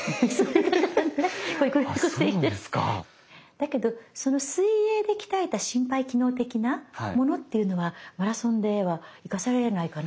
だけどその水泳で鍛えた心肺機能的なものっていうのはマラソンでは生かされないかな。